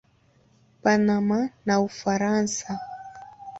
Panama na Ufaransa.